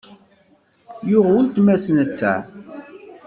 Yuɣ uletma-s netta.